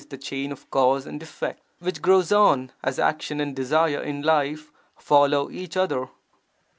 the chain of cause and effect which grows on as action and desire in life follow each other).